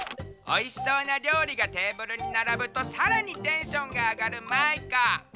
おいしそうなりょうりがテーブルにならぶとさらにテンションがあがるマイカ。